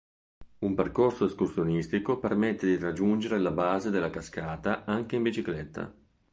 Un percorso escursionistico permette di raggiungere la base della cascata anche in bicicletta.